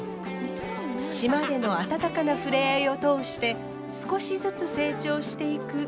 島での温かな触れ合いを通して少しずつ成長していく舞。